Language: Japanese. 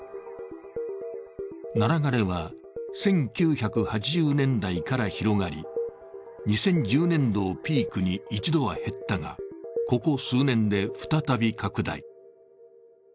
ナラ枯れは１９８０年代から広がり、２０１０年度をピークに一度は減ったが、ここ数年で再び拡大。